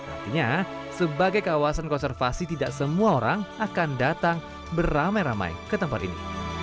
artinya sebagai kawasan konservasi tidak semua orang akan datang beramai ramai ke tempat ini